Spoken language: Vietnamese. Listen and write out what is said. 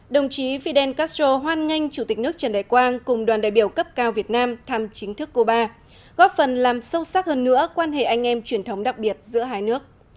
đồng chí fidel castro hoan nghênh chủ tịch nước trần đại quang cùng đoàn đại biểu cấp cao việt nam thăm chính thức cuba góp phần làm sâu sắc hơn nữa quan hệ anh em truyền thống đặc biệt giữa hai nước